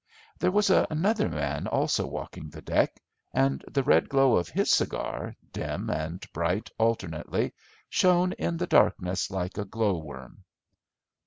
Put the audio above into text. There was another man also walking the deck, and the red glow of his cigar, dim and bright alternately, shone in the darkness like a glow worm.